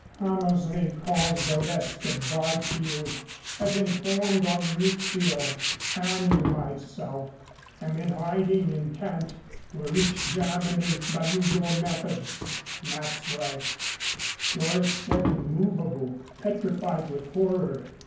Hammersley caused arrest of Byfield. Has informed on Rizzio and myself. Am in hiding in Kent. Will reach Germany by usual methods. MAXWELL. Doris sat immovable, petrified with horror.